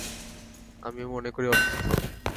আমিও মনে করি অসুস্থ।